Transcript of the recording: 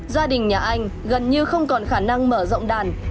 gia đình nhà anh gần như không còn khả năng mở rộng đàn